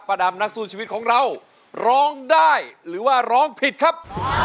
ดำนักสู้ชีวิตของเราร้องได้หรือว่าร้องผิดครับ